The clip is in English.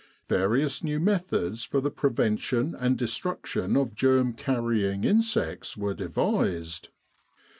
Various new methods for the preven tion and destruction of germ carrying insects were de vised.